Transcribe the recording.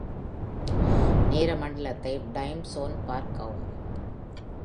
நேர மண்டலத்தைப் (time zone) பார்க்கவும்.